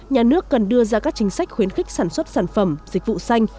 nhà nước cần đưa ra các chính sách khuyến khích sản xuất sản phẩm dịch vụ xanh